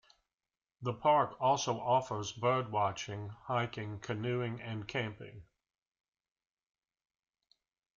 The park also offers bird watching, hiking, canoeing, and camping.